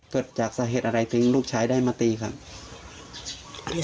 เกิดจากสาเหตุอะไรถึงลูกชายได้มาตีครับ